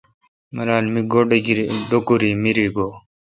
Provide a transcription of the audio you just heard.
مرال۔ می گو ڈوکوری مری گو°